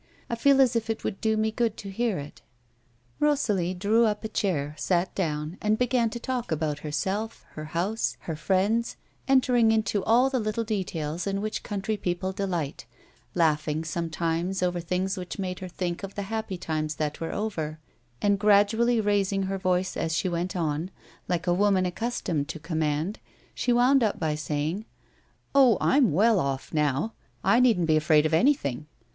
" I feel as if it would do me good to hear it." Rosalie drew up a chair, sat down, and began to talk aboi;t herself, her house, her friends, entering into all the little de tails in which country people delight, laughing, sometimes over things which made her think of the happy times that were over, and gradually raising her voice as she went on, like a woman accustomed to command, she wound up by saying :" Oh, I'm well off now ; I needn't be afraid of anything.